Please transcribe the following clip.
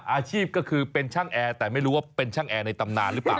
อาชีพก็คือเป็นช่างแอร์แต่ไม่รู้ว่าเป็นช่างแอร์ในตำนานหรือเปล่า